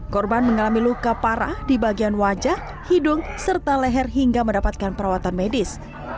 korban mengalami luka parah di bagian wajah hidung serta leher hingga mendapatkan perawatan medis